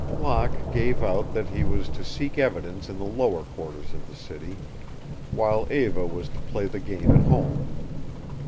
Locke gave out that he was to seek evidence in the lower quarters of the city, while Eva was to play the game at home.